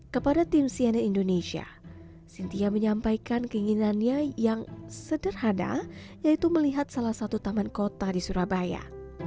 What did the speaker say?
kepada timsian indonesia cynthia menyampaikan keinginannya yang sederhana yaitu melihat salah satu taman kota yang dipilih patasid socio fasilitas dan memegangkan mujib